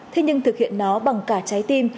thế nhưng thực hiện nó bằng cả trái tim